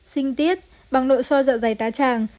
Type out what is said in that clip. sinh tiết bằng nội soi dạo dày tá tràng